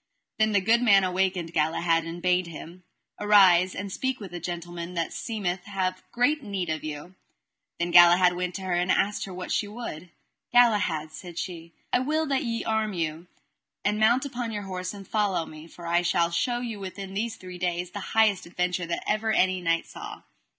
Then the good man awaked Galahad, and bade him: Arise, and speak with a gentlewoman that seemeth hath great need of you. Then Galahad went to her and asked her what she would. Galahad, said she, I will that ye arm you, and mount upon your horse and follow me, for I shall show you within these three days the highest adventure that ever any knight saw.